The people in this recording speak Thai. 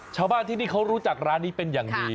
ชาวบ้านที่นี่เขารู้จักร้านนี้เป็นอย่างดี